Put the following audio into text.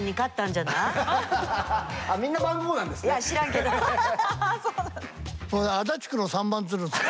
みんな番号なんですね。